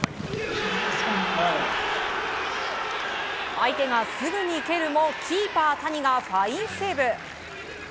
相手がすぐに蹴るもキーパー、谷がファインセーブ。